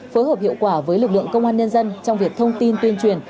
phối hợp hiệu quả với lực lượng công an nhân dân trong việc thông tin tuyên truyền